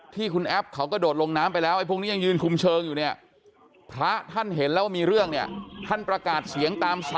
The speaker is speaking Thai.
ที่คุณแอบเขาก็โดดลงน้ำไปแล้วพวกนี้ยังยืนคุมเชิงอยู่เนี่ย